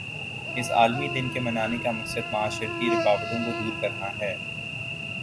اس عالمی دن کے منانے کا مقصد معاشرتی رکاوٹوں کو دور کرنا ہے